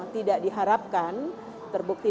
tidak diharapkan terbukti